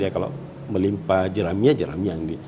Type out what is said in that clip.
kalau melimpa jerami nya jerami nya